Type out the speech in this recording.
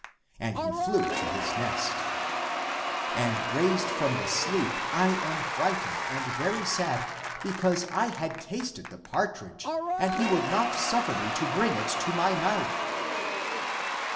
And he flew to his nest. And raised from the sleep, I am fright ened and very sad because I had tasted the partridge and he would not suffer me to bring it to my mouth."